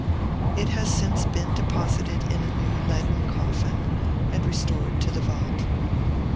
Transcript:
It has since been deposited in a new leaden coffin, and restored to the vault.